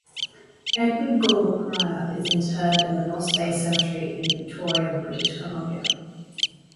Edward Gawler Prior is interred in the Ross Bay Cemetery in Victoria, British Columbia.